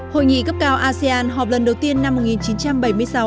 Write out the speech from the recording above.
hội nghị cấp cao asean họp lần đầu tiên năm một nghìn chín trăm bảy mươi sáu